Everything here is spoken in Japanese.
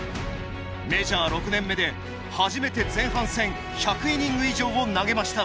メジャー６年目で初めて前半戦１００イニング以上を投げました。